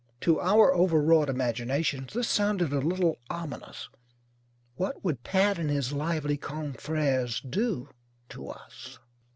To our overwrought imaginations this sounded a little ominous. What would Pat and his lively confrères do to us?